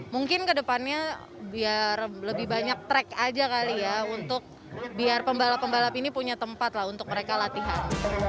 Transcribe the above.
mungkin kedepannya biar lebih banyak track aja kali ya untuk biar pembalap pembalap ini punya tempat lah untuk mereka latihan